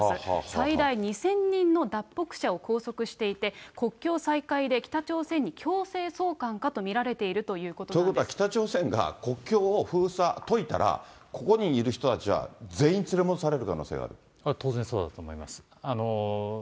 最大２０００人の脱北者を拘束していて、国境再開で北朝鮮に強制送還かと見られているということなんです。ということは、北朝鮮が国境を封鎖といたら、ここにいる人たちは全員連れ戻され当然そうだと思います。